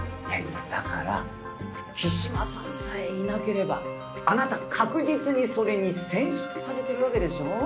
いやいやだから木嶋さんさえいなければあなた確実にそれに選出されてるわけでしょ？